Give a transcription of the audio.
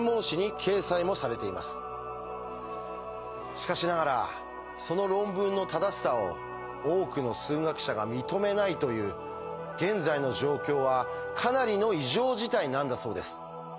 しかしながらその論文の正しさを多くの数学者が認めないという現在の状況はかなりの異常事態なんだそうです。